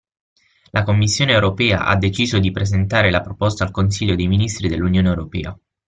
La Commissione Europea ha deciso di presentare la proposta al Consiglio dei Ministri dell'Unione Europea.